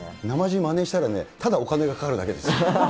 なまじ、まねしたらね、ただお金がかかるだけですよ。